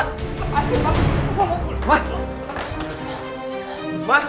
lepasin mama mau pulang